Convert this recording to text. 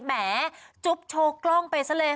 แหมจุ๊บโชว์กล้องไปซะเลย